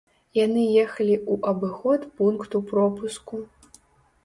Яны ехалі ў абыход пункту пропуску.